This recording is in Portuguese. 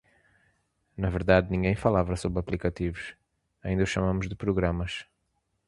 Na verdade, ninguém falava sobre aplicativos: ainda os chamamos de programas.